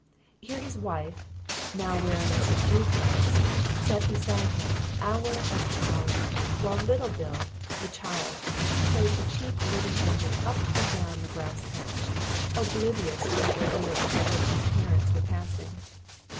Here his wife (now wearing a subdued blouse) sat beside him, hour after hour, while little Bill, the child, towed a cheap wooden engine up and down the grass patch, oblivious to the ordeal through which his parents were passing.